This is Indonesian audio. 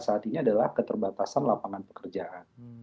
saat ini adalah keterbatasan lapangan pekerjaan